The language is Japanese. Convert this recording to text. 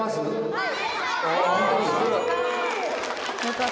はい。